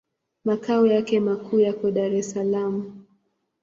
Makao yake makuu yako Dar es Salaam.